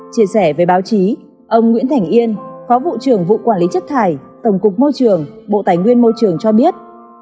chia sẻ với báo chí ông nguyễn thành yên phó vụ trưởng vụ quản lý chất thải tổng cục môi trường bộ tài nguyên môi trường cho biết